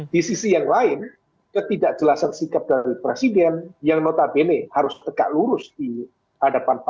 di sisi yang lain ketidakjelasan